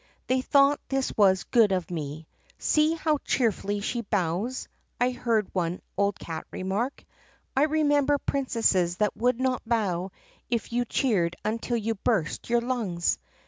They thought this was good of me. 'See how cheerfully she bows!' I heard one old cat remark. 'I remember princesses that would not bow if you cheered until you burst your lungs.